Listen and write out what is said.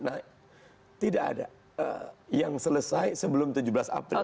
nah tidak ada yang selesai sebelum tujuh belas april